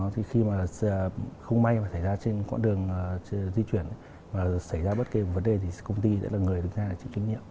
thì khi mà không may mà xảy ra trên quãng đường di chuyển mà xảy ra bất kỳ một vấn đề thì công ty sẽ là người đứng ra là chịu kinh nghiệm